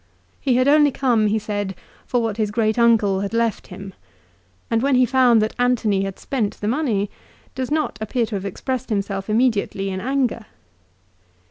He had only come, he said, for what his great uncle had left him ; and when he found that Antony had spent the money does not appear to have expressed himself imme diately in anger.